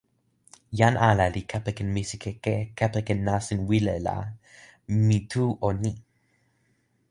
jan ala li kepeken misikeke kepeken nasin wile la, mi tu o ni.